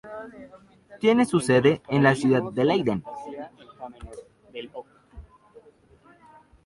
Tiene su sede en la ciudad de Leiden.